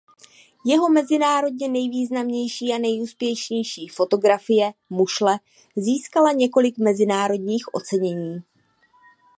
Jeho mezinárodně nejznámější a nejúspěšnější fotografie "Mušle" získala několik mezinárodních ocenění.